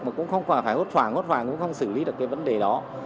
mà cũng không phải hốt hoảng hốt hoảng cũng không xử lý được cái vấn đề đó